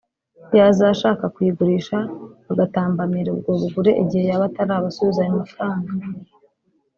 yazashaka kuyigurisha bagatambamira ubwo bugure igihe yaba atarabasubiza ayo amafaranga